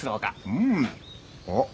うん。あっ！